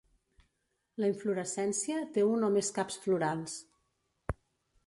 La inflorescència té un o més caps florals.